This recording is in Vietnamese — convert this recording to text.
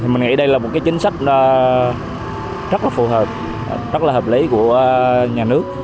mình nghĩ đây là một cái chính sách rất là phù hợp rất là hợp lý của nhà nước